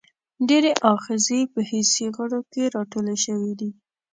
ډیری آخذې په حسي غړو کې راټولې شوي دي.